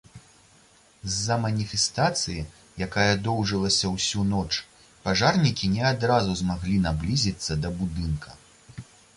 З-за маніфестацыі, якая доўжылася ўсю ноч, пажарнікі не адразу змаглі наблізіцца да будынка.